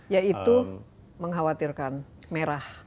ya itu mengkhawatirkan merah